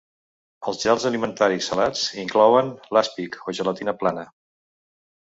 Els gels alimentaris salats inclouen l'aspic o gelatina plana.